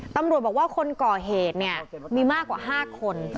ตำรวจบอกว่าคนก่อเหตุเนี่ยมีมากกว่า๕คน